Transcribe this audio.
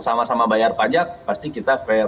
sama sama bayar pajak pasti kita fair